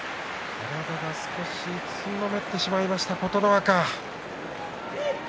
体が少しつんのめってしまいました琴ノ若です。